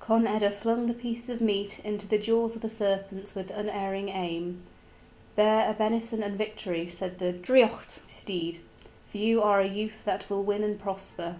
Conn eda flung the pieces of meat into the jaws of the serpents with unerring aim. "Bare a benison and victory," said the draoidheacht steed, "for you are a youth that will win and prosper."